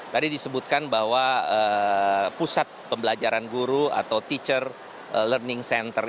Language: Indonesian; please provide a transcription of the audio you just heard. tadi disebutkan bahwa pusat pembelajaran guru atau teacher learning center